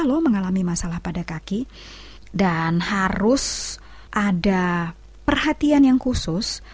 kalau mengalami masalah pada kaki dan harus ada perhatian yang khusus